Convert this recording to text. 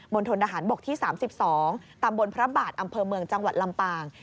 ณฑนทหารบกที่๓๒ตำบลพระบาทอำเภอเมืองจังหวัดลำปาง